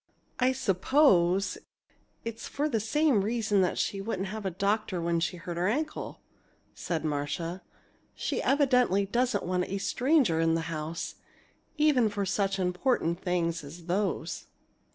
"I suppose it's for the same reason that she wouldn't have a doctor when she hurt her ankle," said Marcia. "She evidently doesn't want a stranger in the house, even for such important things as those."